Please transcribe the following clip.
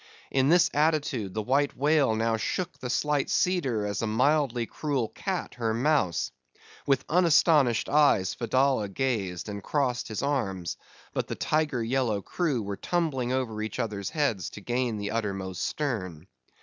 In this attitude the White Whale now shook the slight cedar as a mildly cruel cat her mouse. With unastonished eyes Fedallah gazed, and crossed his arms; but the tiger yellow crew were tumbling over each other's heads to gain the uttermost stern.